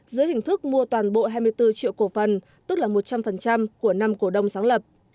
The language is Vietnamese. dưới hình thức mua toàn bộ hai mươi bốn triệu cổ phần tức là một trăm linh của năm cổ đông sáng lập